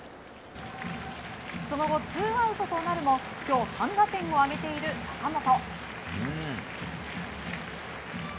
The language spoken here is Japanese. その後、ツーアウトとなるも今日３打点を挙げている坂本。